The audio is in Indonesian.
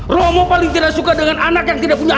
romo paling tidak suka dengan anak yang tidak punya